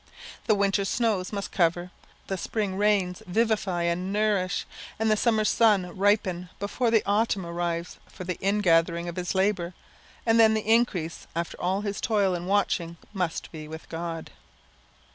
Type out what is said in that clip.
The winter snows must cover, the spring rains vivify and nourish, and the summer sun ripen, before the autumn arrives for the ingathering of his labour, and then the increase, after all his toil and watching, must be with God.